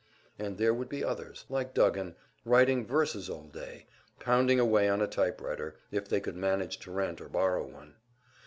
And there would be others, like Duggan, writing verses all day; pounding away on a typewriter, if they could manage to rent or borrow one.